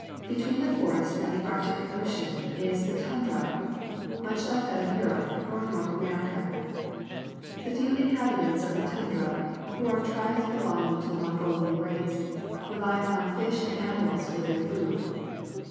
Between the forest and the Arctic Ocean is the tundra, much like that of Europe or of North America. The few inhabitants of the tundra, who are tribes belonging to the Mongolian race, rely upon fish and animals for their food.